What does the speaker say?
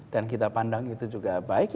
kita pandang itu juga baik